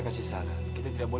wajar aja di demen